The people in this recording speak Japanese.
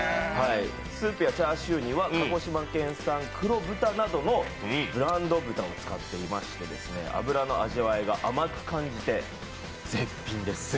スープやチャーシューには鹿児島県産黒豚などのブランド豚を使っていまして脂の味わいが甘く感じて絶品です。